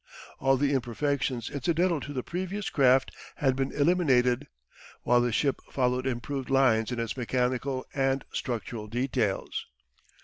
All the imperfections incidental to the previous craft had been eliminated, while the ship followed improved lines in its mechanical and structural details.